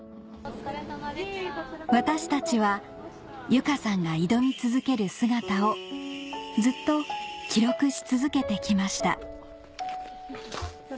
私たちは由佳さんが挑み続ける姿をずっと記録し続けてきました